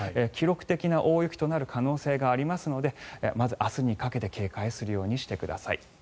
記録的な大雪となる可能性がありますので、まず明日にかけて警戒するようにしてください。